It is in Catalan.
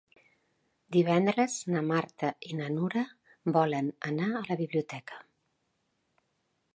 Divendres na Marta i na Nura volen anar a la biblioteca.